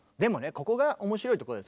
ここが面白いとこでさ